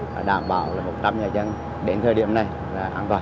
và đảm bảo là một trăm linh nhà dân đến thời điểm này là an toàn